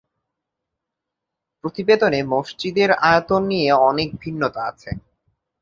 প্রতিবেদনে মসজিদের আয়তন নিয়ে অনেক ভিন্নতা আছে।